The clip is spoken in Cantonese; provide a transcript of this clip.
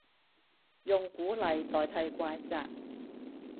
用鼓勵代替怪責